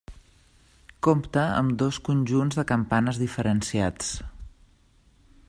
Compta amb dos conjunts de campanes diferenciats.